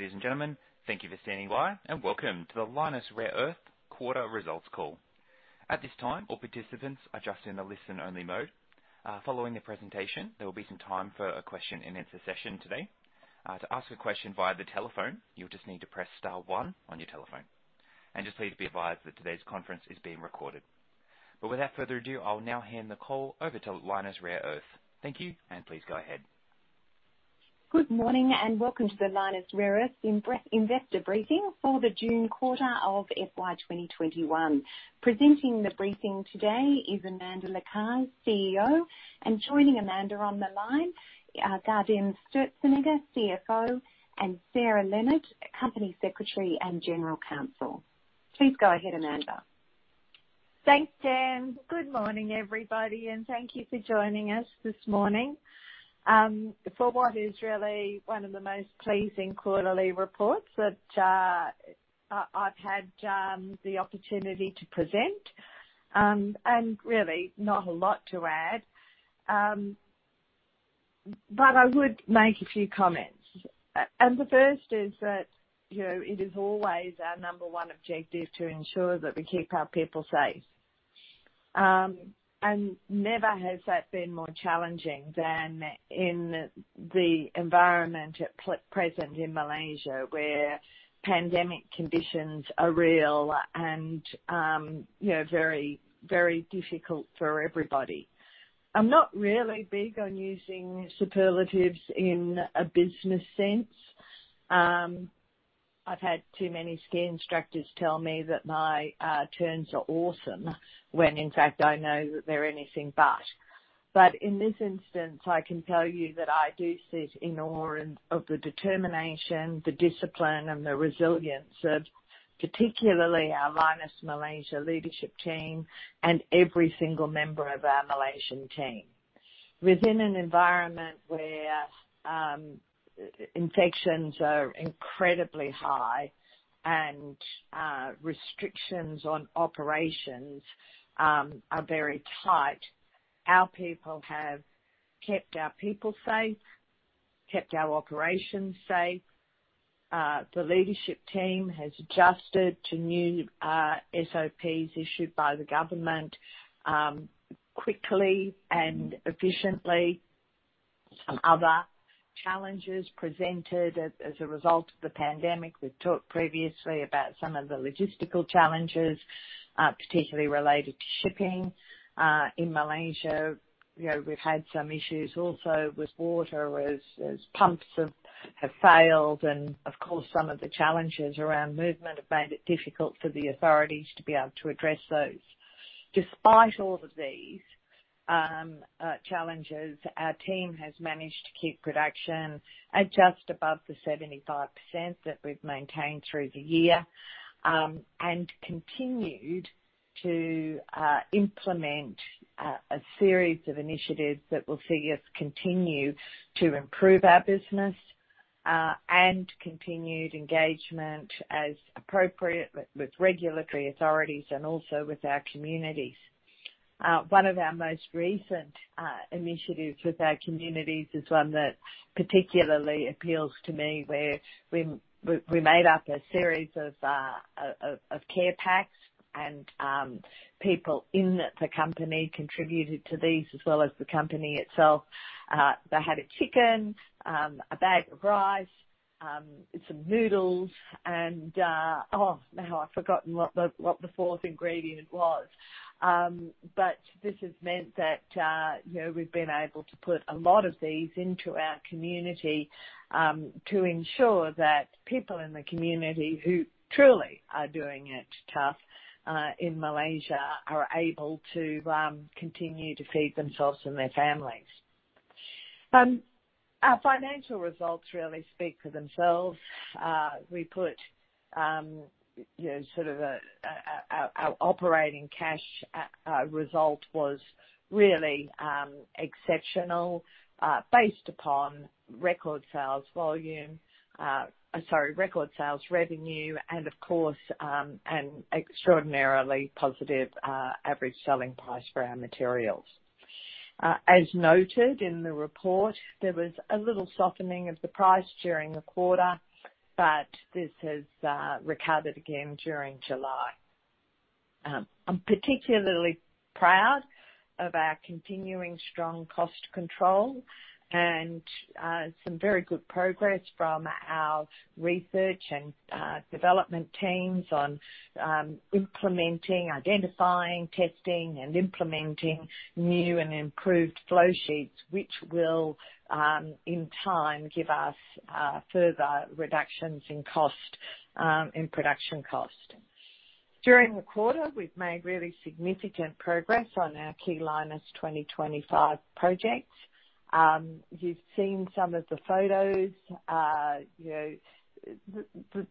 Ladies and gentlemen, thank you for standing by, and welcome to the Lynas Rare Earths quarterly results call. At this time, all participants are just in a listen-only mode. Following the presentation, there will be some time for a question-and-answer session today. To ask a question via the telephone, you'll just need to press star one on your telephone. Just please be advised that today's conference is being recorded. Without further ado, I'll now hand the call over to Lynas Rare Earths. Thank you, and please go ahead. Good morning, and welcome to the Lynas Rare Earths investor briefing for the June quarter of FY 2021. Presenting the briefing today is Amanda Lacaze, CEO, and joining Amanda on the line, Gaudenz Sturzenegger, CFO, and Sarah Leonard, Company Secretary and General Counsel. Please go ahead, Amanda. Thanks, Jen. Good morning, everybody, and thank you for joining us this morning for what is really one of the most pleasing quarterly reports that I’ve had the opportunity to present. Really, not a lot to add, but I would make a few comments. The first is that, you know, it is always our number one objective to ensure that we keep our people safe. Never has that been more challenging than in the environment at present in Malaysia, where pandemic conditions are real and, you know, very, very difficult for everybody. I'm not really big on using superlatives in a business sense. I've had too many ski instructors tell me that my turns are awesome, when in fact, I know that they're anything but. But in this instance, I can tell you that I do sit in awe of the determination, the discipline, and the resilience of particularly our Lynas Malaysia leadership team, and every single member of our Malaysian team. Within an environment where infections are incredibly high and restrictions on operations are very tight, our people have kept our people safe, kept our operations safe. The leadership team has adjusted to new SOPs issued by the government quickly and efficiently. Some other challenges presented as a result of the pandemic, we've talked previously about some of the logistical challenges particularly related to shipping. In Malaysia, you know, we've had some issues also with water, as pumps have failed, and of course, some of the challenges around movement have made it difficult for the authorities to be able to address those. Despite all of these challenges, our team has managed to keep production at just above the 75% that we've maintained through the year. And continued to implement a series of initiatives that will see us continue to improve our business, and continued engagement as appropriate with regulatory authorities and also with our communities. One of our most recent initiatives with our communities is one that particularly appeals to me, where we made up a series of care packs, and people in the company contributed to these, as well as the company itself. They had a chicken, a bag of rice, some noodles, and... Oh, now, I've forgotten what the fourth ingredient was. But this has meant that, you know, we've been able to put a lot of these into our community, to ensure that people in the community who truly are doing it tough, in Malaysia, are able to continue to feed themselves and their families. Our financial results really speak for themselves. We put, you know, sort of our operating cash result was really exceptional, based upon record sales volume. Sorry, record sales revenue and of course, an extraordinarily positive average selling price for our materials. As noted in the report, there was a little softening of the price during the quarter, but this has recovered again during July. I'm particularly proud of our continuing strong cost control and some very good progress from our research and development teams on implementing, identifying, testing, and implementing new and improved flowsheets, which will, in time, give us further reductions in cost in production cost. During the quarter, we've made really significant progress on our key Lynas 2025 projects. You've seen some of the photos. You know,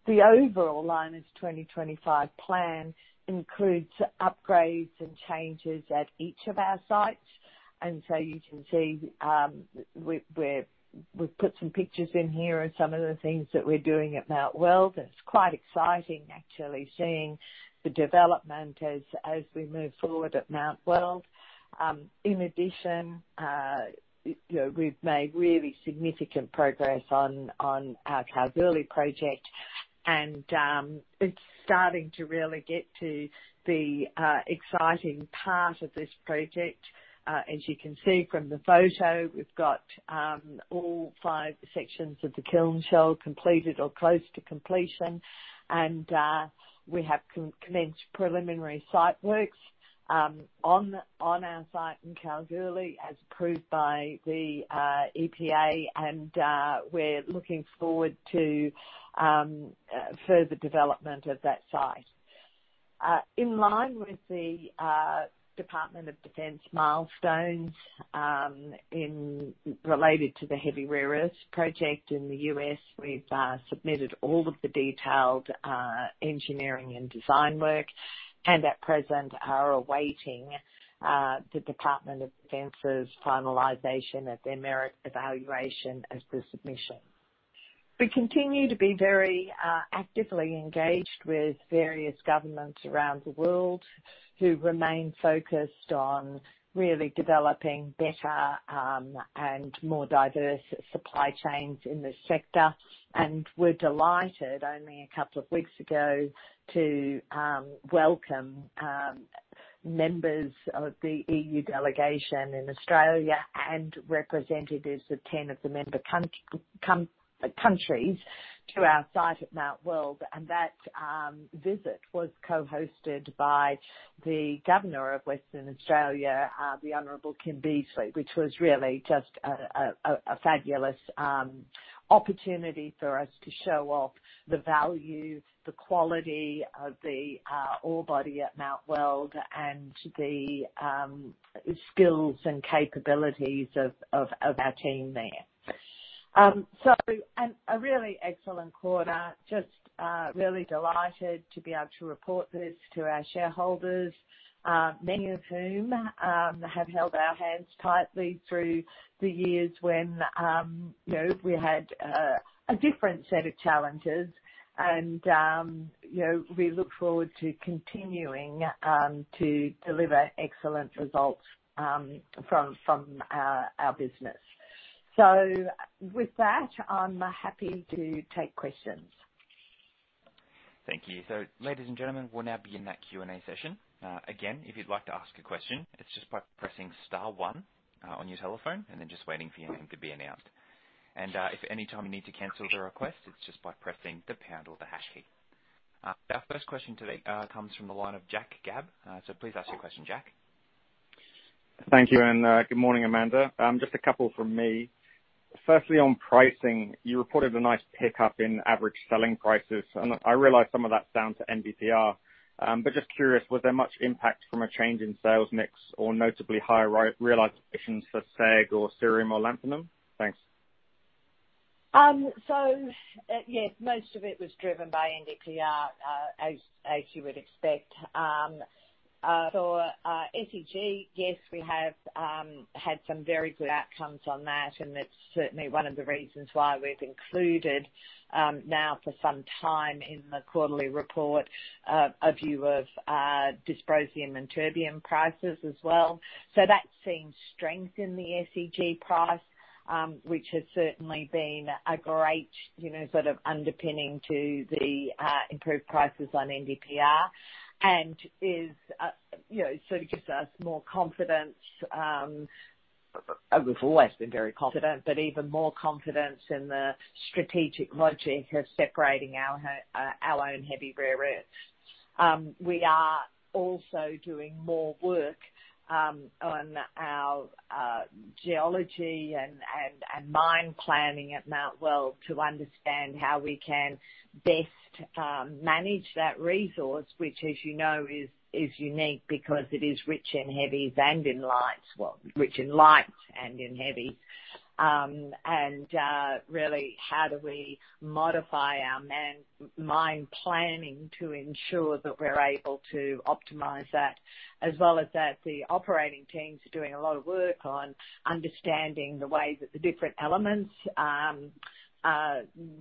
the overall Lynas 2025 plan includes upgrades and changes at each of our sites. And so you can see, we've put some pictures in here of some of the things that we're doing at Mount Weld. And it's quite exciting actually seeing the development as we move forward at Mount Weld. In addition, you know, we've made really significant progress on our Kalgoorlie project.... It's starting to really get to the exciting part of this project. As you can see from the photo, we've got all five sections of the kiln shell completed or close to completion, and we have commenced preliminary site works on our site in Kalgoorlie, as approved by the EPA, and we're looking forward to further development of that site. In line with the Department of Defense milestones in related to the heavy rare earths project in the U.S., we've submitted all of the detailed engineering and design work, and at present are awaiting the Department of Defense's finalization of their merit evaluation of the submission. We continue to be very actively engaged with various governments around the world, who remain focused on really developing better and more diverse supply chains in this sector. And we're delighted, only a couple of weeks ago, to welcome members of the EU delegation in Australia and representatives of 10 of the member countries to our site at Mount Weld. And that visit was co-hosted by the Governor of Western Australia, the Honorable Kim Beazley, which was really just a fabulous opportunity for us to show off the value, the quality of the ore body at Mount Weld and the skills and capabilities of our team there. And a really excellent quarter. Just really delighted to be able to report this to our shareholders, many of whom have held our hands tightly through the years when, you know, we had a different set of challenges. You know, we look forward to continuing to deliver excellent results from our business. So with that, I'm happy to take questions. Thank you. So ladies and gentlemen, we'll now be in that Q&A session. Again, if you'd like to ask a question, it's just by pressing star one on your telephone, and then just waiting for your name to be announced. And if at any time you need to cancel the request, it's just by pressing the pound or the hash key. Our first question today comes from the line of Jack Gabb. So please ask your question, Jack. Thank you, and good morning, Amanda. Just a couple from me. Firstly, on pricing, you reported a nice pickup in average selling prices, and I realize some of that's down to NdPr. But just curious, was there much impact from a change in sales mix or notably higher realizations for SEG or cerium or lanthanum? Thanks. Yes, most of it was driven by NdPr, as you would expect. SEG, yes, we have had some very good outcomes on that, and it's certainly one of the reasons why we've included, now for some time in the quarterly report, a view of dysprosium and terbium prices as well. That's seen strength in the SEG price, which has certainly been a great, you know, sort of underpinning to the improved prices on NdPr. And is, you know, sort of gives us more confidence. We've always been very confident, but even more confidence in the strategic logic of separating our heavy rare earths. We are also doing more work on our geology and mine planning at Mount Weld to understand how we can best manage that resource, which, as you know, is unique because it is rich in heavies and in lights. Well, rich in lights and in heavy. And really, how do we modify our mine planning to ensure that we're able to optimize that, as well as that the operating teams are doing a lot of work on understanding the way that the different elements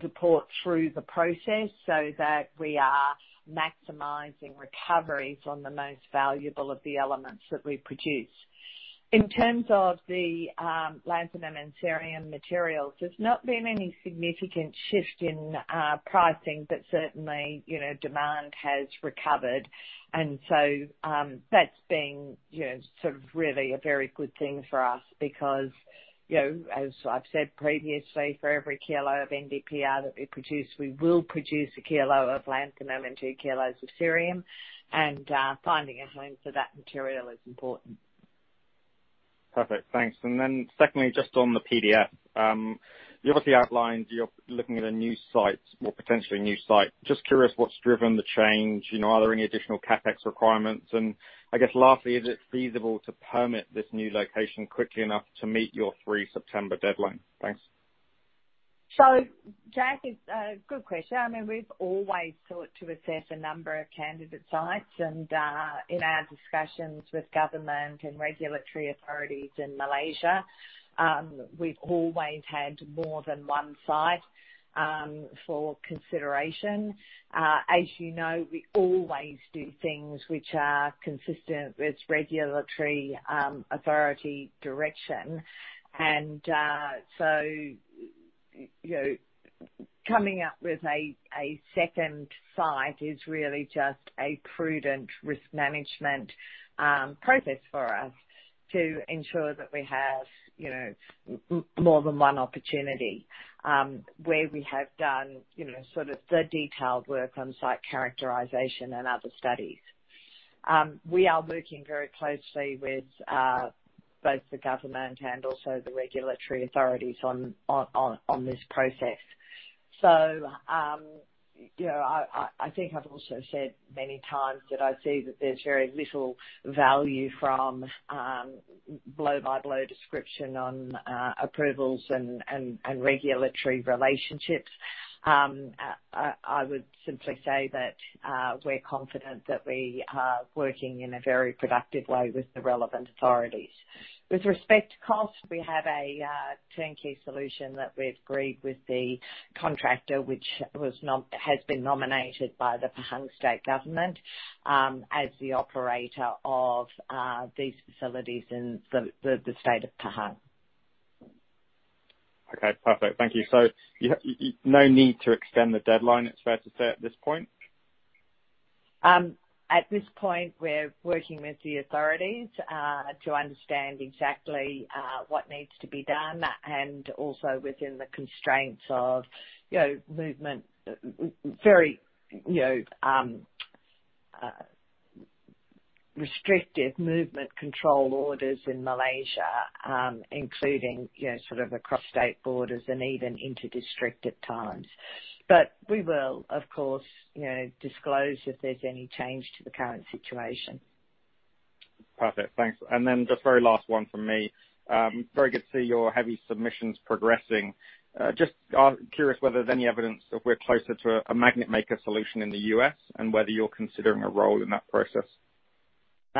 report through the process, so that we are maximizing recoveries on the most valuable of the elements that we produce. In terms of the lanthanum and cerium materials, there's not been any significant shift in pricing, but certainly, you know, demand has recovered. So, that's been, you know, sort of really a very good thing for us because, you know, as I've said previously, for every kilo of NdPr that we produce, we will produce a kilo of lanthanum and two kilos of cerium, and finding a home for that material is important. Perfect. Thanks. And then secondly, just on the PDF, you obviously outlined you're looking at a new site or potentially a new site. Just curious what's driven the change? You know, are there any additional CapEx requirements? And I guess lastly, is it feasible to permit this new location quickly enough to meet your September 3 deadline? Thanks. ... So Jack, it's a good question. I mean, we've always sought to assess a number of candidate sites, and in our discussions with government and regulatory authorities in Malaysia, we've always had more than one site for consideration. As you know, we always do things which are consistent with regulatory authority direction. And so, you know, coming up with a second site is really just a prudent risk management process for us to ensure that we have, you know, more than one opportunity where we have done, you know, sort of the detailed work on site characterization and other studies. We are working very closely with both the government and also the regulatory authorities on this process. So, you know, I think I've also said many times that I see that there's very little value from blow-by-blow description on approvals and regulatory relationships. I would simply say that we're confident that we are working in a very productive way with the relevant authorities. With respect to cost, we have a turnkey solution that we've agreed with the contractor, which has been nominated by the Pahang State Government as the operator of these facilities in the state of Pahang. Okay, perfect. Thank you. So you have no need to extend the deadline, it's fair to say, at this point? At this point, we're working with the authorities to understand exactly what needs to be done, and also within the constraints of, you know, very restrictive movement control orders in Malaysia, including, you know, sort of across state borders and even into district at times. But we will, of course, you know, disclose if there's any change to the current situation. Perfect, thanks. And then just very last one from me. Very good to see your heavy submissions progressing. Just, I'm curious whether there's any evidence that we're closer to a magnet maker solution in the U.S. and whether you're considering a role in that process?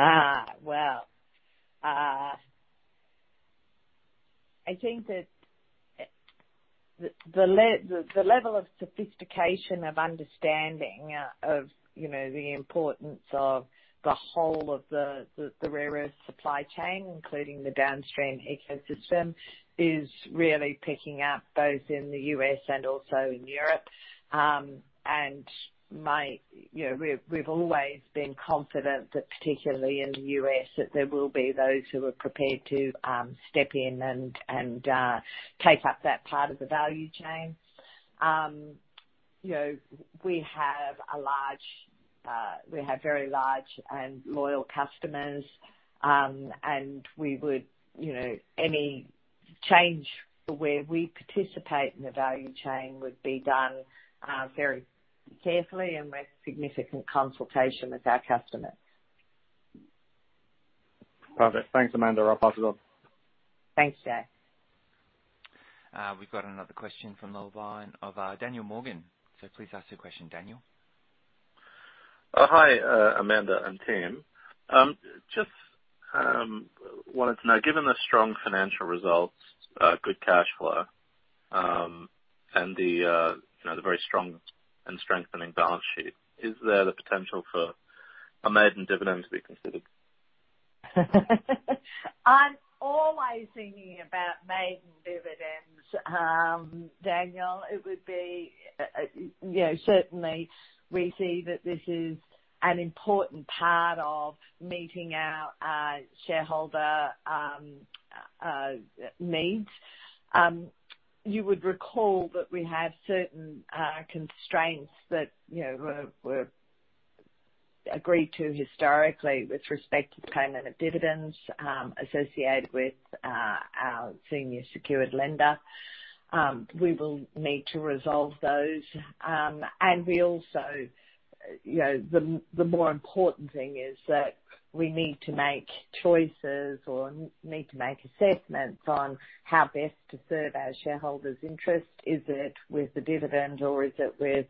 Ah, well, I think that the level of sophistication of understanding of you know the importance of the whole of the rare earth supply chain, including the downstream ecosystem, is really picking up both in the U.S. and also in Europe. You know, we've always been confident that particularly in the U.S., that there will be those who are prepared to step in and take up that part of the value chain. You know, we have very large and loyal customers, and we would, you know, any change to where we participate in the value chain would be done very carefully and with significant consultation with our customers. Perfect. Thanks, Amanda. I'll pass it on. Thanks, Jack. We've got another question from the line of Daniel Morgan. So please ask your question, Daniel. Hi, Amanda and team. Just wanted to know, given the strong financial results, good cash flow, and the, you know, the very strong and strengthening balance sheet, is there the potential for a maiden dividend to be considered? I'm always thinking about maiden dividends, Daniel. It would be, you know, certainly we see that this is an important part of meeting our shareholder needs. You would recall that we have certain constraints that, you know, were agreed to historically with respect to the payment of dividends, associated with our senior secured lender. We will need to resolve those. And we also, you know, the more important thing is that we need to make choices or need to make assessments on how best to serve our shareholders' interest. Is it with the dividends or is it with,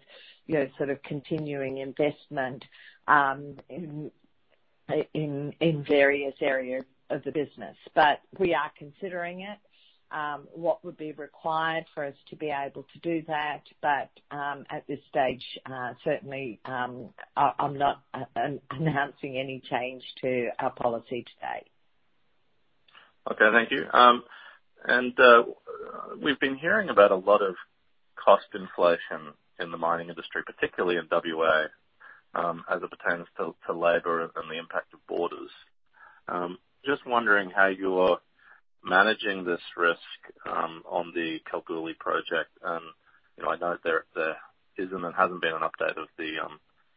you know, sort of continuing investment in various areas of the business? But we are considering it, what would be required for us to be able to do that. But, at this stage, certainly, I, I'm not announcing any change to our policy today. Okay, thank you. We've been hearing about a lot of cost inflation in the mining industry, particularly in WA, as it pertains to labor and the impact of borders. Just wondering how you're managing this risk on the Kalgoorlie project? You know, I know there isn't and hasn't been an update of the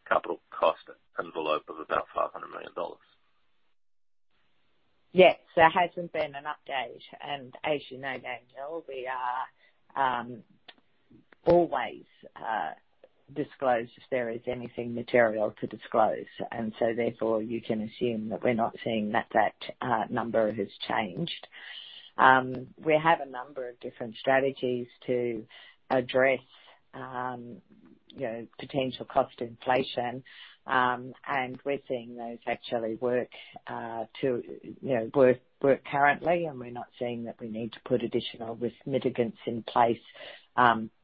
capital cost envelope of about 500 million dollars. Yes, there hasn't been an update. And as you know, Daniel, we always disclose if there is anything material to disclose, and so therefore you can assume that we're not seeing that number has changed. We have a number of different strategies to address, you know, potential cost inflation. And we're seeing those actually work, you know, currently, and we're not seeing that we need to put additional risk mitigants in place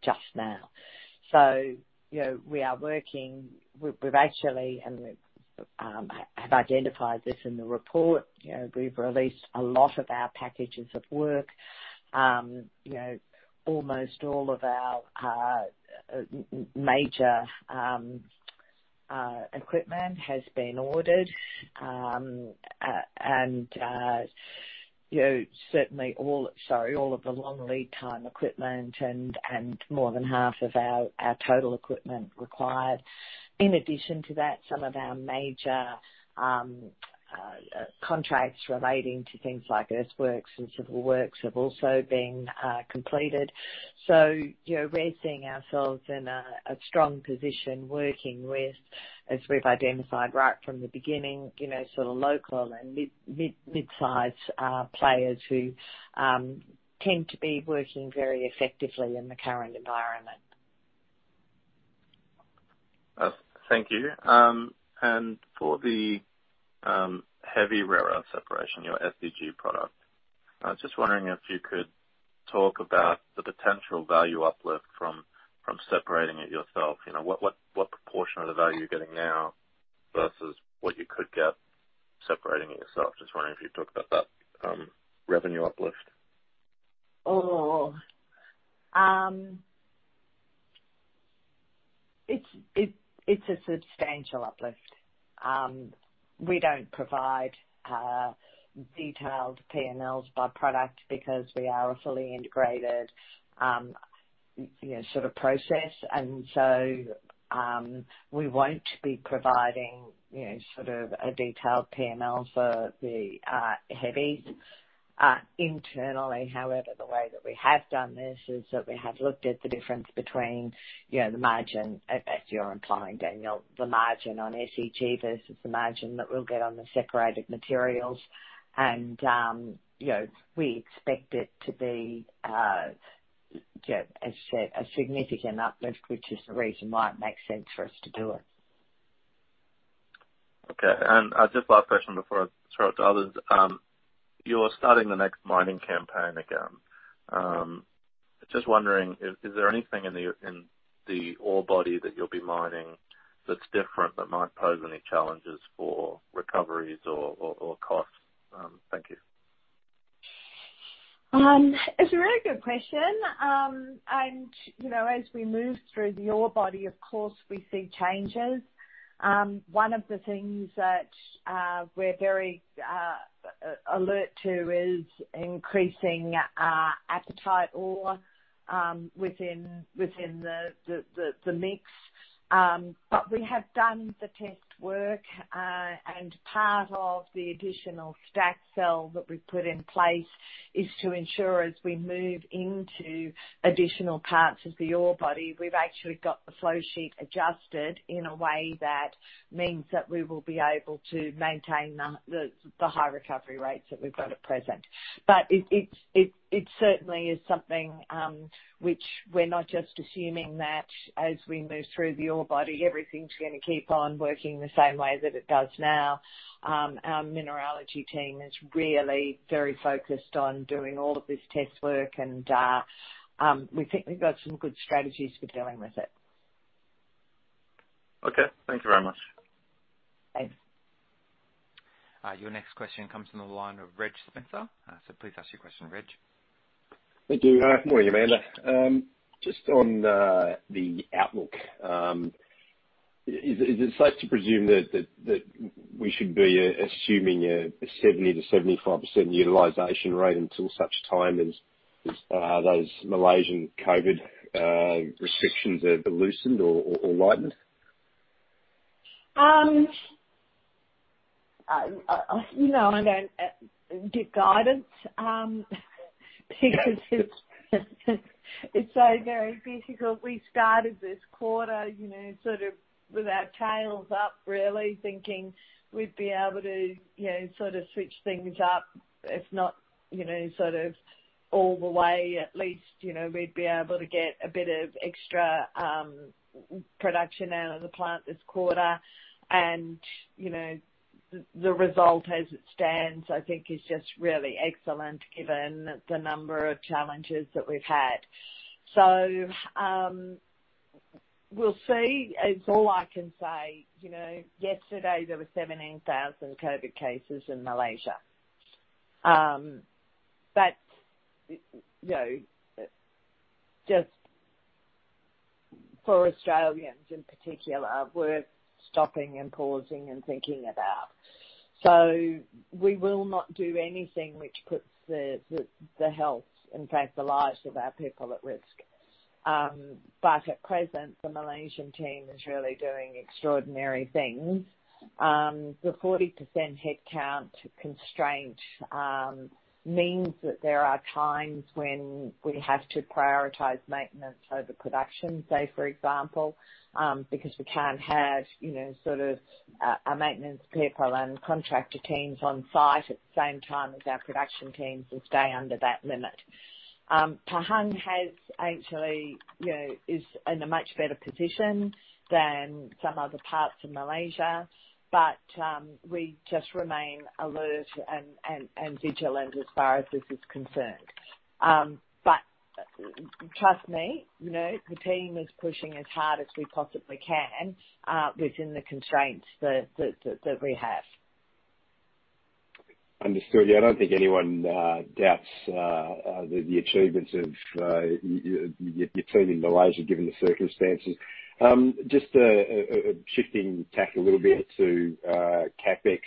just now. So, you know, we are working. We've actually identified this in the report, you know, we've released a lot of our packages of work. You know, almost all of our major equipment has been ordered. You know, certainly all, sorry, all of the long lead time equipment and more than half of our total equipment required. In addition to that, some of our major contracts relating to things like earthworks and civil works have also been completed. So, you know, we're seeing ourselves in a strong position working with, as we've identified right from the beginning, you know, sort of local and mid-sized players who tend to be working very effectively in the current environment. Thank you. And for the heavy rare earth separation, your SEG product, I was just wondering if you could talk about the potential value uplift from separating it yourself. You know, what proportion of the value you're getting now versus what you could get separating it yourself? Just wondering if you'd talk about that, revenue uplift. It's a substantial uplift. We don't provide detailed P&Ls by product because we are a fully integrated, you know, sort of process. And so, we won't be providing, you know, sort of a detailed P&L for the heavies. Internally, however, the way that we have done this is that we have looked at the difference between, you know, the margin as you're implying, Daniel, the margin on SEG versus the margin that we'll get on the separated materials. And, you know, we expect it to be, you know, as I said, a significant uplift, which is the reason why it makes sense for us to do it. Okay. And, just last question before I throw it to others. You're starting the next mining campaign again. Just wondering, is there anything in the ore body that you'll be mining that's different, that might pose any challenges for recoveries or costs? Thank you. It's a really good question. And, you know, as we move through the ore body, of course, we see changes. One of the things that we're very alert to is increasing apatite ore within the mix. But we have done the test work, and part of the additional Stack Cell that we've put in place is to ensure as we move into additional parts of the ore body, we've actually got the flow sheet adjusted in a way that means that we will be able to maintain the high recovery rates that we've got at present. But it's certainly something which we're not just assuming that as we move through the ore body, everything's gonna keep on working the same way that it does now. Our mineralogy team is really very focused on doing all of this test work, and we think we've got some good strategies for dealing with it. Okay. Thank you very much. Thanks. Your next question comes from the line of Reg Spencer. Please ask your question, Reg. Thank you. Good morning, Amanda. Just on the outlook, is it safe to presume that we should be assuming a 70%-75% utilization rate until such time as those Malaysian COVID restrictions are loosened or lightened? You know, I don't do guidance because it's so very difficult. We started this quarter, you know, sort of with our tails up, really thinking we'd be able to, you know, sort of switch things up. If not, you know, sort of all the way, at least, you know, we'd be able to get a bit of extra production out of the plant this quarter. And, you know, the result as it stands, I think, is just really excellent given the number of challenges that we've had. So, we'll see. It's all I can say. You know, yesterday there were 17,000 COVID cases in Malaysia. But, you know, just for Australians in particular, we're stopping and pausing and thinking about. So we will not do anything which puts the health, in fact, the lives of our people at risk. But at present, the Malaysian team is really doing extraordinary things. The 40% headcount constraint means that there are times when we have to prioritize maintenance over production. Say, for example, because we can't have, you know, sort of, our maintenance people and contractor teams on site at the same time as our production teams and stay under that limit. Pahang has actually, you know, is in a much better position than some other parts of Malaysia, but we just remain alert and vigilant as far as this is concerned. But trust me, you know, the team is pushing as hard as we possibly can within the constraints that we have. Understood. Yeah, I don't think anyone doubts the achievements of your team in Malaysia, given the circumstances. Just shifting tack a little bit to CapEx.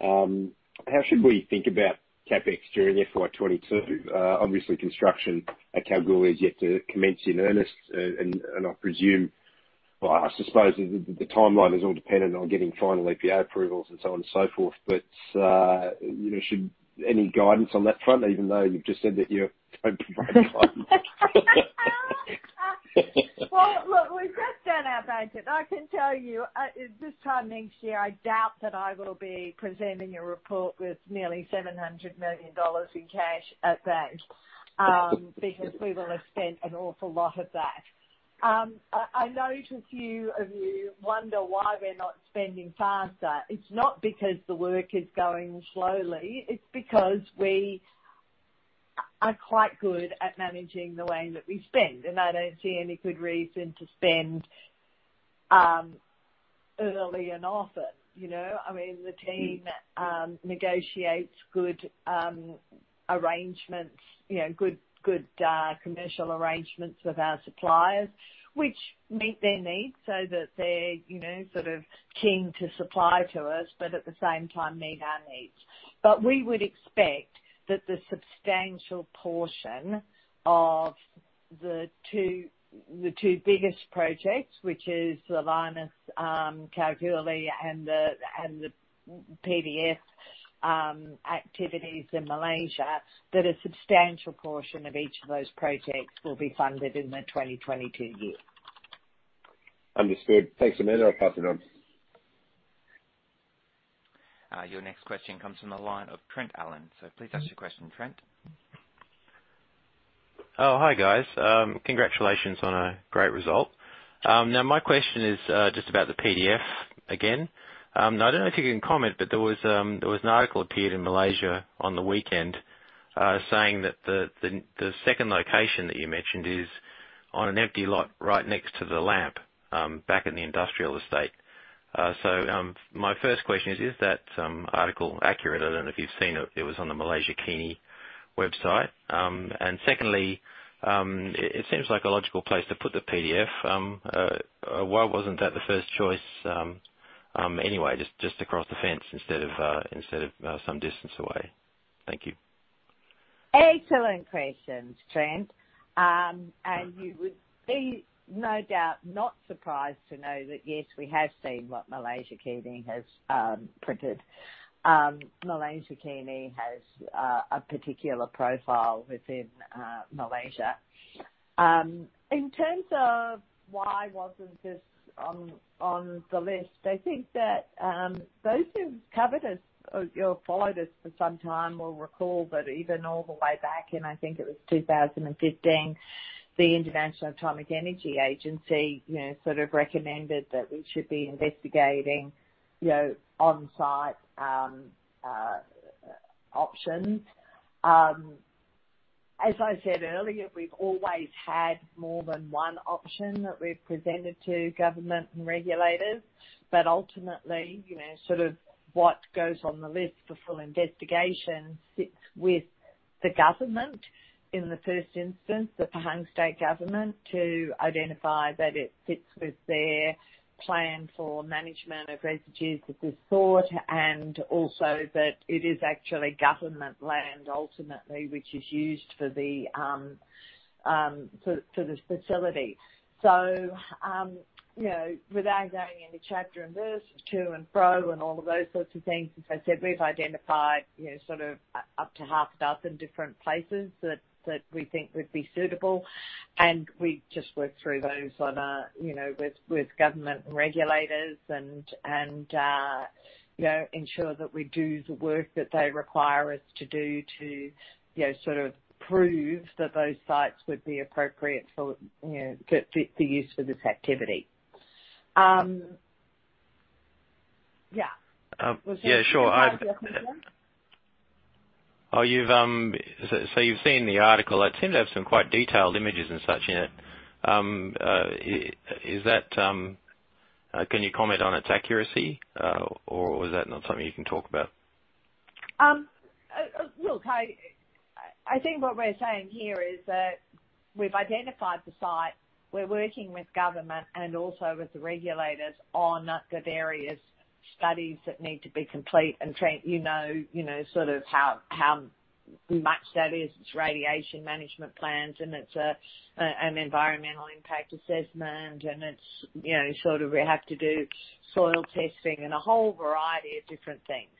How should we think about CapEx during FY 2022? Obviously, construction at Kalgoorlie is yet to commence in earnest. And I presume, well, I suppose the timeline is all dependent on getting final EPA approvals and so on and so forth. But you know, should any guidance on that front, even though you've just said that you're open for any time? Well, look, we've just done our budget. I can tell you, this time next year, I doubt that I will be presenting a report with nearly 700 million dollars in cash at bank, because we will have spent an awful lot of that. I know a few of you wonder why we're not spending faster. It's not because the work is going slowly. It's because we are quite good at managing the way that we spend, and I don't see any good reason to spend early and often, you know. I mean, the team negotiates good arrangements, you know, good commercial arrangements with our suppliers, which meet their needs so that they're, you know, sort of keen to supply to us, but at the same time meet our needs. But we would expect that the substantial portion of the two, the two biggest projects, which is the Lynas Kalgoorlie and the PDF activities in Malaysia, that a substantial portion of each of those projects will be funded in the 2022 year. Understood. Thanks, Amanda. I'll pass it on. Your next question comes from the line of Trent Allen. So please ask your question, Trent. Oh, hi, guys. Congratulations on a great result. Now, my question is just about the PDF again. I don't know if you can comment, but there was an article appeared in Malaysia on the weekend, saying that the second location that you mentioned is on an empty lot right next to the LAMP, back in the industrial estate. So, my first question is, is that article accurate? I don't know if you've seen it. It was on the Malaysiakini website. And secondly, it seems like a logical place to put the PDF. Why wasn't that the first choice, anyway, just across the fence instead of some distance away? Thank you. Excellent questions, Trent. And you would be no doubt not surprised to know that yes, we have seen what Malaysiakini has printed. Malaysiakini has a particular profile within Malaysia. In terms of why wasn't this on the list, I think that those who've covered us or followed us for some time will recall that even all the way back in, I think it was 2015, the International Atomic Energy Agency you know sort of recommended that we should be investigating you know on-site options. As I said earlier, we've always had more than one option that we've presented to government and regulators, but ultimately, you know, sort of what goes on the list for full investigation sits with the government in the first instance, the Pahang State Government, to identify that it fits with their plan for management of residues that we thought, and also that it is actually government land ultimately, which is used for this facility. So, you know, without going into chapter and verse, to and fro, and all of those sorts of things, as I said, we've identified, you know, sort of up to half a dozen different places that we think would be suitable, and we just work through those on a, you know, with government regulators and, you know, ensure that we do the work that they require us to do, to, you know, sort of prove that those sites would be appropriate for, you know, for use for this activity. Yeah. Yeah, sure. Was there a second one? Oh, so you've seen the article. It seems to have some quite detailed images and such in it. Can you comment on its accuracy, or is that not something you can talk about? Look, I think what we're saying here is that we've identified the site. We're working with government and also with the regulators on those various studies that need to be complete and change, you know, you know, sort of how much that is. It's radiation management plans, and it's an environmental impact assessment, and it's, you know, sort of we have to do soil testing and a whole variety of different things.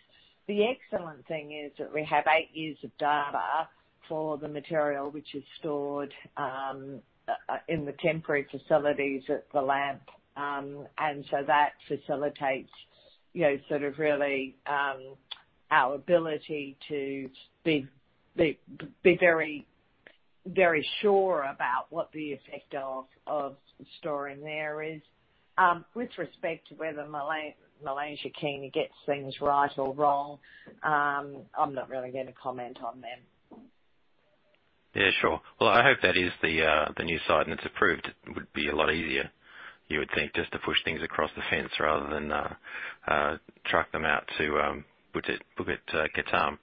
The excellent thing is that we have eight years of data for the material which is stored in the temporary facilities at the LAMP. And so that facilitates, you know, sort of really our ability to be very, very sure about what the effect of storing there is. With respect to whether Malaysiakini gets things right or wrong, I'm not really going to comment on them. Yeah, sure. Well, I hope that is the new site, and it's approved. It would be a lot easier, you would think, just to push things across the fence rather than truck them out to Bukit Ketam.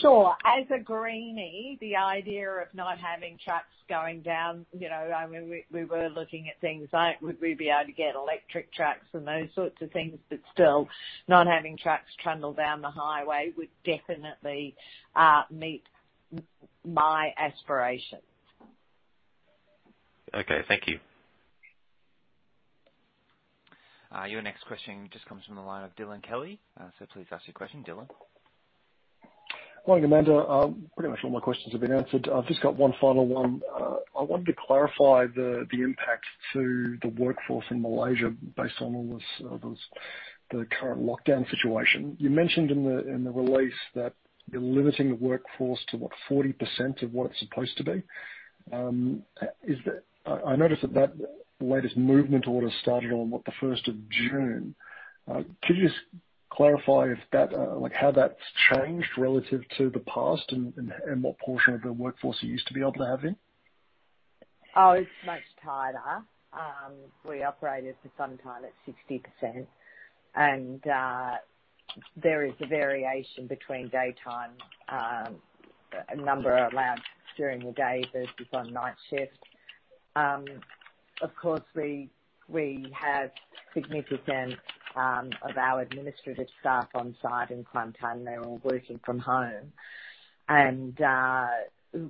Sure. As a greenie, the idea of not having trucks going down, you know, I mean, we were looking at things like, would we be able to get electric trucks and those sorts of things, but still, not having trucks trundle down the highway would definitely meet my aspirations. Okay, thank you. Your next question just comes from the line of Dylan Kelly. So please ask your question, Dylan. Morning, Amanda. Pretty much all my questions have been answered. I've just got one final one. I wanted to clarify the impact to the workforce in Malaysia based on all this, the current lockdown situation. You mentioned in the release that you're limiting the workforce to what? 40% of what it's supposed to be. Is that... I noticed that that latest movement order started on the first of June. Could you just clarify if that, like, how that's changed relative to the past and what portion of the workforce you used to be able to have in? Oh, it's much tighter. We operated for some time at 60%, and there is a variation between daytime, a number allowed during the day versus on night shift. Of course, we have significant of our administrative staff on site in Kuantan. They're all working from home. And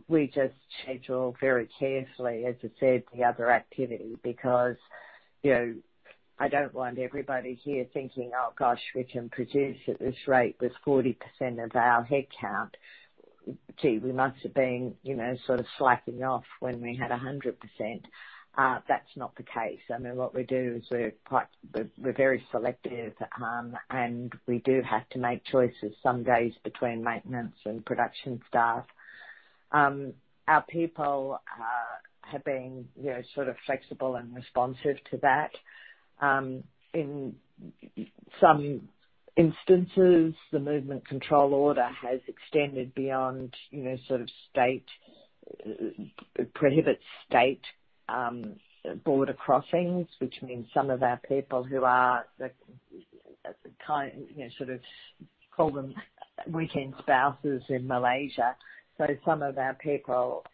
we just schedule very carefully, as I said, the other activity, because, you know, I don't want everybody here thinking, "Oh, gosh, we can produce at this rate with 40% of our headcount. Gee, we must have been, you know, sort of slacking off when we had 100%." That's not the case. I mean, what we do is we're very selective, and we do have to make choices some days between maintenance and production staff. Our people have been, you know, sort of flexible and responsive to that. In some instances, the movement control order has extended beyond, you know, sort of state prohibits state border crossings, which means some of our people who are the kind, you know, sort of call them weekend spouses in Malaysia. So some of our people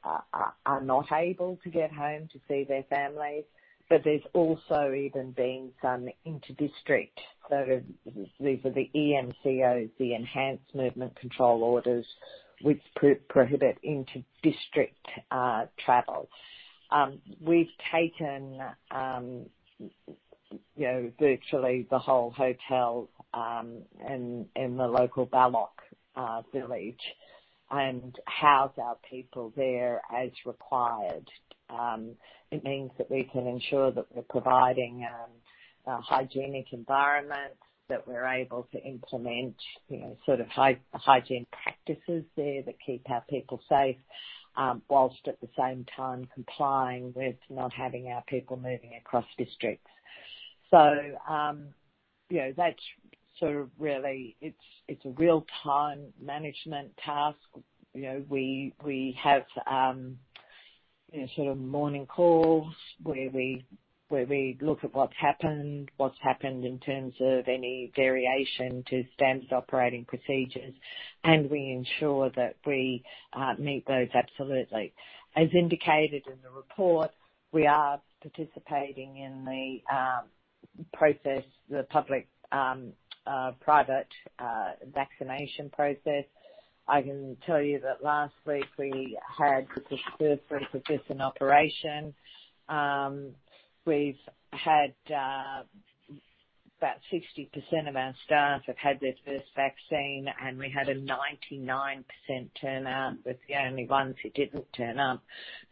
are not able to get home to see their families, but there's also even been some inter-district. So these are the EMCOs, the Enhanced Movement Control Orders, which prohibit inter-district travel. We've taken, you know, virtually the whole hotel in the local Balok village, and house our people there as required. It means that we can ensure that we're providing, a hygienic environment, that we're able to implement, you know, sort of hygiene practices there, that keep our people safe, while at the same time complying with not having our people moving across districts. So, you know, that's sort of really... It's a real time management task. You know, we have, you know, sort of morning calls where we look at what's happened, what's happened in terms of any variation to standard operating procedures, and we ensure that we meet those absolutely. As indicated in the report, we are participating in the process, the public, private vaccination process. I can tell you that last week we had the first week of this in operation. We've had about 60% of our staff have had their first vaccine, and we had a 99% turnout, with the only ones who didn't turn up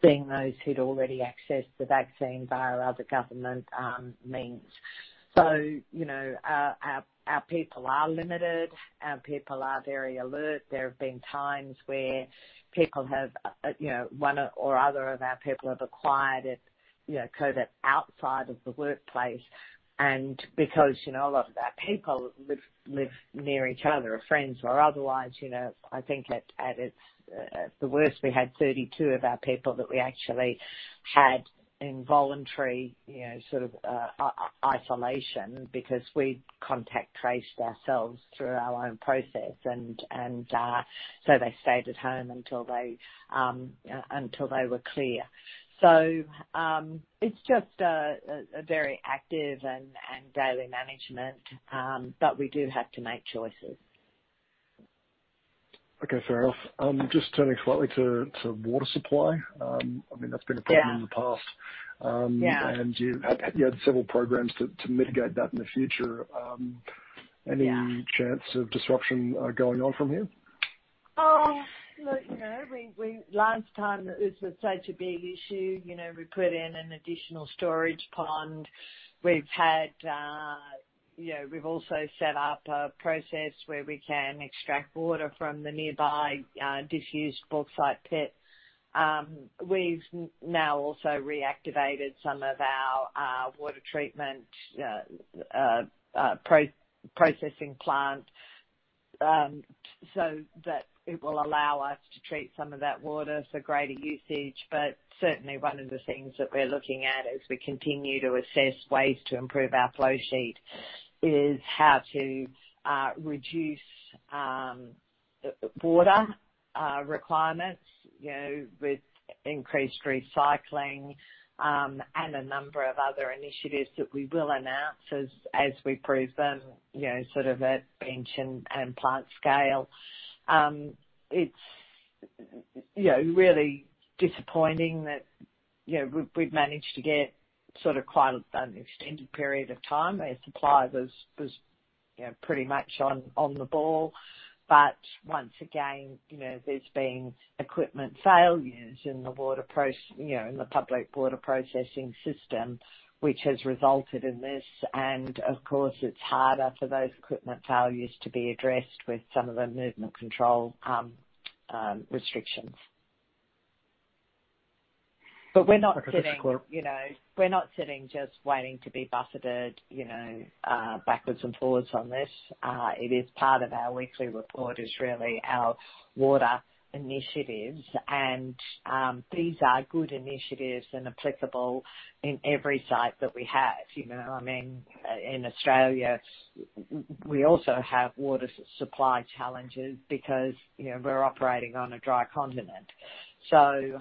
being those who'd already accessed the vaccine via other government means. So, you know, our people are limited. Our people are very alert. There have been times where people have, you know, one or other of our people have acquired a, you know, COVID outside of the workplace. And because, you know, a lot of our people live near each other, are friends or otherwise, you know, I think at its, the worst, we had 32 of our people that we actually had involuntary, you know, sort of isolation because we contact traced ourselves through our own process. So they stayed at home until they were clear. So, it's just a very active and daily management, but we do have to make choices.... Okay, fair enough. Just turning slightly to water supply. I mean, that's been a problem in the past. Yeah. You had several programs to mitigate that in the future. Yeah. Any chance of disruption going on from here? Oh, look, you know, last time it was such a big issue, you know, we put in an additional storage pond. We've had, you know, we've also set up a process where we can extract water from the nearby, disused bauxite pit. We've now also reactivated some of our water treatment processing plant, so that it will allow us to treat some of that water for greater usage. But certainly one of the things that we're looking at as we continue to assess ways to improve our flow sheet, is how to reduce water requirements, you know, with increased recycling, and a number of other initiatives that we will announce as we prove them, you know, sort of at bench and plant scale. It's, you know, really disappointing that, you know, we've managed to get sort of quite an extended period of time where supply was, you know, pretty much on the ball. But once again, you know, there's been equipment failures in the water, you know, in the public water processing system, which has resulted in this. And of course, it's harder for those equipment failures to be addressed with some of the movement control restrictions. But we're not sitting- Okay, cool. You know, we're not sitting just waiting to be buffeted, you know, backwards and forwards on this. It is part of our weekly report, is really our water initiatives. And, these are good initiatives and applicable in every site that we have. You know, I mean, in Australia, we also have water supply challenges because, you know, we're operating on a dry continent. So,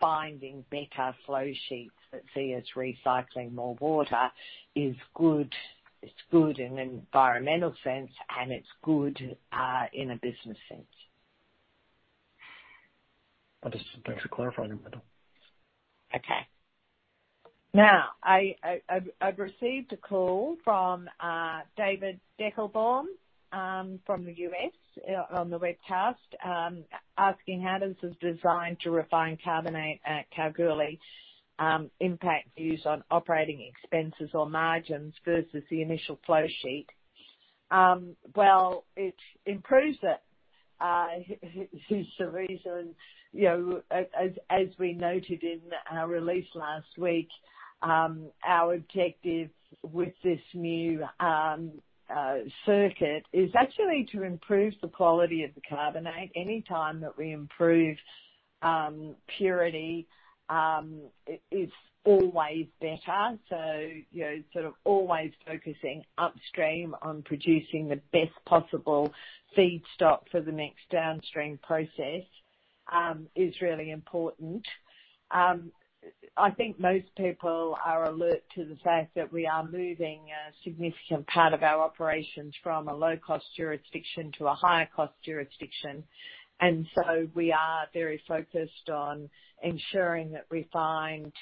finding better flowsheets that see us recycling more water is good. It's good in an environmental sense, and it's good in a business sense. Understood. Thanks for clarifying, Amanda. Okay. Now, I've received a call from David Deckelbaum from the U.S. on the webcast asking how does this design to refine carbonate at Kalgoorlie impact views on operating expenses or margins versus the initial flow sheet? Well, it improves it. Here's the reason, you know, as we noted in our release last week, our objective with this new circuit is actually to improve the quality of the carbonate. Any time that we improve purity, it's always better. So, you know, sort of always focusing upstream on producing the best possible feedstock for the next downstream process is really important. I think most people are alert to the fact that we are moving a significant part of our operations from a low-cost jurisdiction to a higher cost jurisdiction. We are very focused on ensuring that we find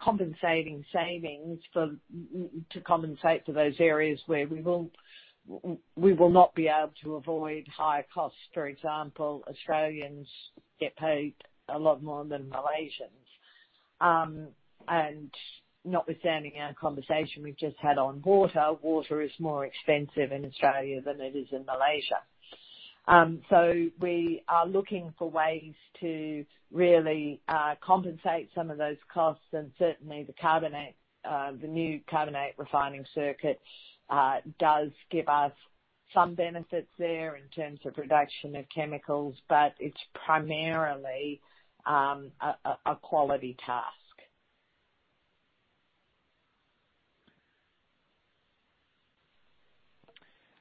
compensating savings to compensate for those areas where we will not be able to avoid higher costs. For example, Australians get paid a lot more than Malaysians. And notwithstanding our conversation we've just had on water, water is more expensive in Australia than it is in Malaysia. So we are looking for ways to really compensate some of those costs. And certainly the carbonate, the new carbonate refining circuit, does give us some benefits there in terms of production of chemicals, but it's primarily a quality task.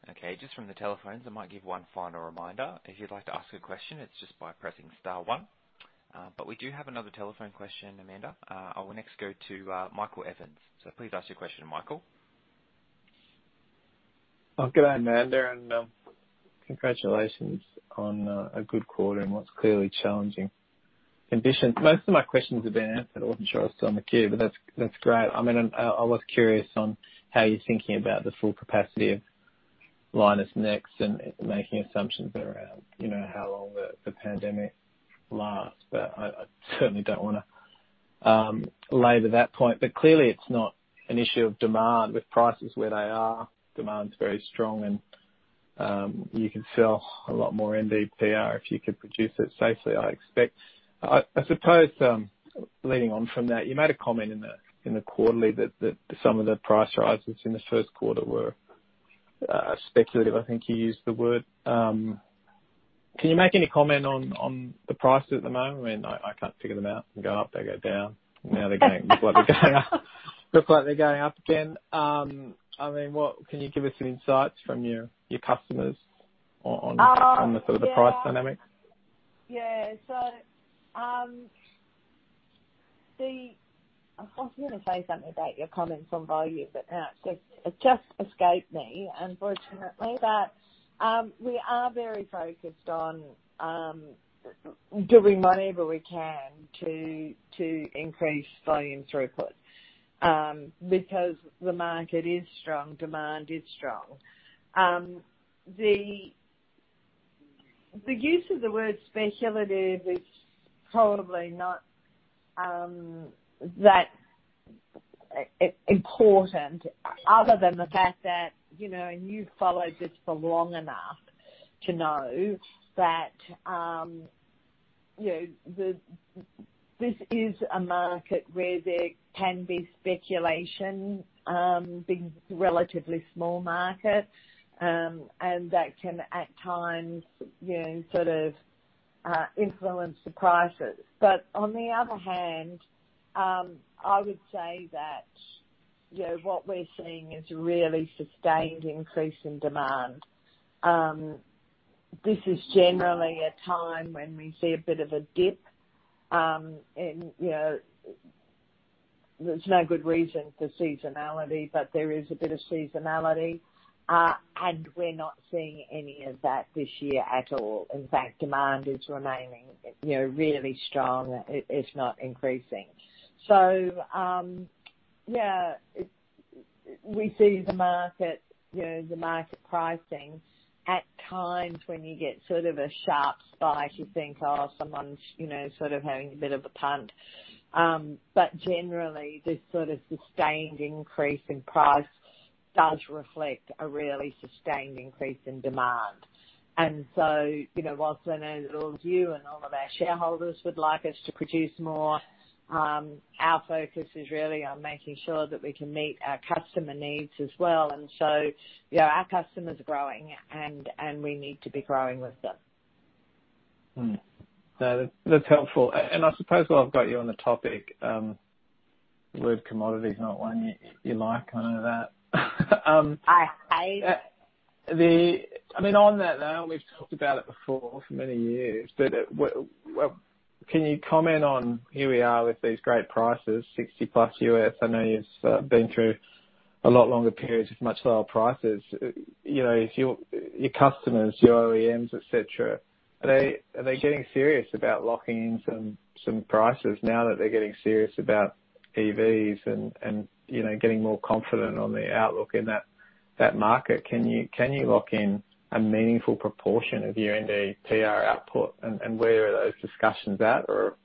Okay, just from the telephones, I might give one final reminder. If you'd like to ask a question, it's just by pressing star one. But we do have another telephone question, Amanda. I will next go to Michael Evans. So please ask your question, Michael. Oh, good day, Amanda, and, congratulations on a good quarter in what's clearly challenging conditions. Most of my questions have been answered. I wasn't sure I was still on the queue, but that's, that's great. I mean, I, I was curious on how you're thinking about the full capacity of Lynas Next, and making assumptions around, you know, how long the, the pandemic lasts. But I, I certainly don't wanna labor that point. But clearly it's not an issue of demand. With prices where they are, demand's very strong and, you can sell a lot more NdPr if you can produce it safely, I expect. I, I suppose, leading on from that, you made a comment in the, in the quarterly that, that some of the price rises in the first quarter were, speculative, I think you used the word. Can you make any comment on the prices at the moment? I mean, I can't figure them out. They go up, they go down, now they're going up, look like they're going up, look like they're going up again. I mean, can you give us some insights from your customers on? Uh, yeah on the sort of the price dynamics? Yeah. So, I was going to say something about your comments on volume, but now it's just, it just escaped me, unfortunately. But, we are very focused on doing whatever we can to, to increase volume throughput, because the market is strong, demand is strong. The use of the word speculative is probably not that important other than the fact that, you know, and you've followed this for long enough to know that, you know, this is a market where there can be speculation, being a relatively small market, and that can at times, you know, sort of influence the prices. But on the other hand, I would say that, you know, what we're seeing is a really sustained increase in demand. This is generally a time when we see a bit of a dip in, you know... There's no good reason for seasonality, but there is a bit of seasonality. And we're not seeing any of that this year at all. In fact, demand is remaining, you know, really strong, if not increasing. So, yeah, we see the market, you know, the market pricing. At times when you get sort of a sharp spike, you think, "Oh, someone's, you know, sort of having a bit of a punt." But generally, this sort of sustained increase in price does reflect a really sustained increase in demand. And so, you know, whilst I know all of you and all of our shareholders would like us to produce more, our focus is really on making sure that we can meet our customer needs as well. You know, our customers are growing, and we need to be growing with them. Hmm. No, that's helpful. I suppose while I've got you on the topic, the word commodity is not one you like, I know that. I hate it. I mean, on that note, we've talked about it before for many years, but well, can you comment on here we are with these great prices, $60+. I know you've been through a lot longer periods of much lower prices. You know, if your customers, your OEMs, et cetera, are they getting serious about locking in some prices now that they're getting serious about EVs and, you know, getting more confident on the outlook in that market? Can you lock in a meaningful proportion of your NdPr output? And where are those discussions at? Or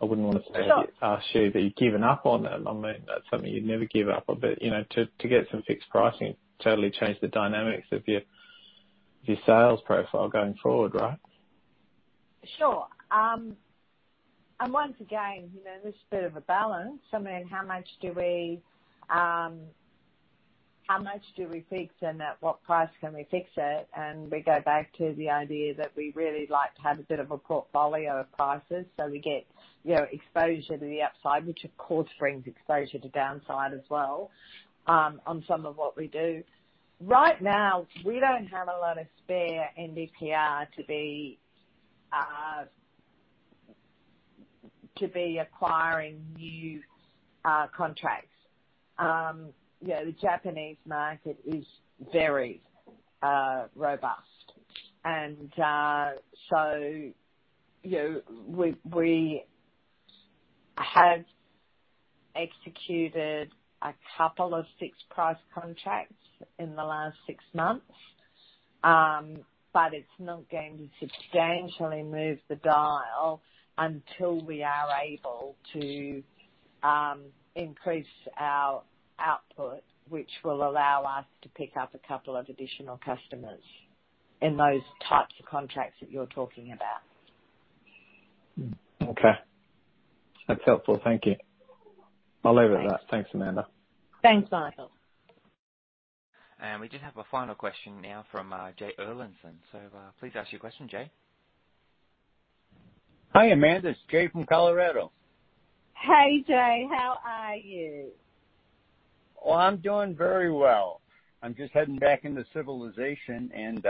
I wouldn't want to say ask you that you've given up on them. I mean, that's something you'd never give up on, but, you know, to get some fixed pricing, totally change the dynamics of your sales profile going forward, right? Sure. And once again, you know, there's a bit of a balance. I mean, how much do we, how much do we fix and at what price can we fix it? And we go back to the idea that we really like to have a bit of a portfolio of prices, so we get, you know, exposure to the upside, which of course brings exposure to downside as well, on some of what we do. Right now, we don't have a lot of spare NdPr to be, to be acquiring new, contracts. You know, the Japanese market is very, robust. So, you know, we, we have executed a couple of fixed price contracts in the last six months, but it's not going to substantially move the dial until we are able to increase our output, which will allow us to pick up a couple of additional customers in those types of contracts that you're talking about. Okay. That's helpful. Thank you. I'll leave it at that. Thanks, Amanda. Thanks, Michael. We did have a final question now from Jay Erlandson. Please ask your question, Jay. Hi, Amanda. It's Jay from Colorado. Hey, Jay. How are you? Oh, I'm doing very well. I'm just heading back into civilization. And,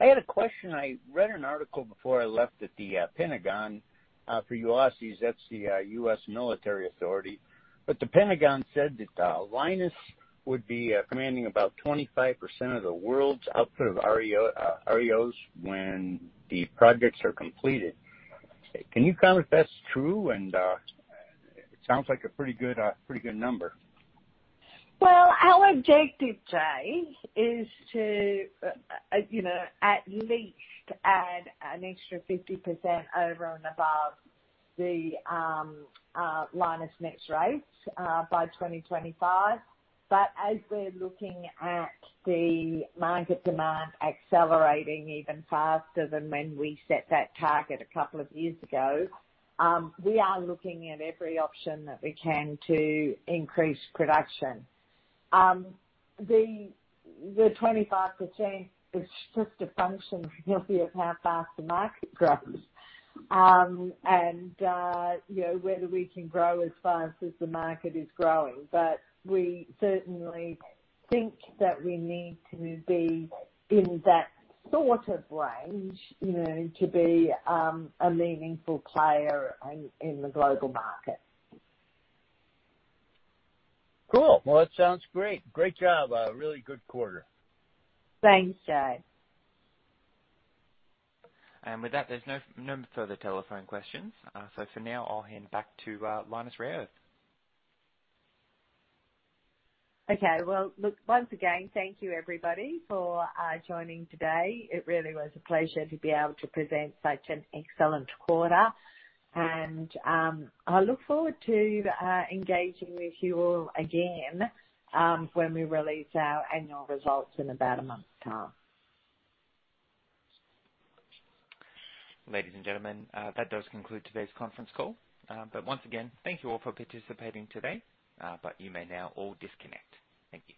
I had a question. I read an article before I left at the Pentagon for U.S.'s, that's the U.S. Military Authority. But the Pentagon said that Lynas would be commanding about 25% of the world's output of REO, REOs when the projects are completed. Can you comment if that's true? And, it sounds like a pretty good, pretty good number. Well, our objective, Jay, is to, you know, at least add an extra 50% over and above the Lynas mix rates by 2025. But as we're looking at the market demand accelerating even faster than when we set that target a couple of years ago, we are looking at every option that we can to increase production. The 25% is just a function, you know, of how fast the market grows, and, you know, whether we can grow as fast as the market is growing. But we certainly think that we need to be in that sort of range, you know, to be a meaningful player in the global market. Cool. Well, that sounds great. Great job. A really good quarter. Thanks, Jay. With that, there's no, no further telephone questions. So for now, I'll hand back to Lynas Rare Earths. Okay. Well, look, once again, thank you everybody for joining today. It really was a pleasure to be able to present such an excellent quarter. And, I look forward to engaging with you all again, when we release our annual results in about a month's time. Ladies and gentlemen, that does conclude today's conference call. Once again, thank you all for participating today. You may now all disconnect. Thank you.